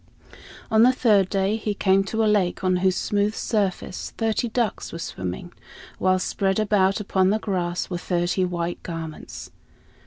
On the third day he came to a lake on whose smooth surface thirty ducks were swimming, while spread about upon the grass were thirty white garments.